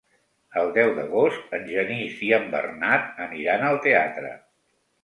El deu d'agost en Genís i en Bernat aniran al teatre.